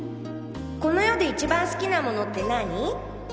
この世で一番好きなものってなあに？